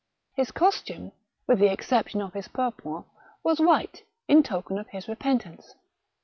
His costume, with the exception of his purpoint, was white, in token of his repentance.